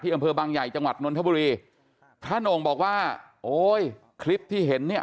อำเภอบางใหญ่จังหวัดนนทบุรีพระโหน่งบอกว่าโอ้ยคลิปที่เห็นเนี่ย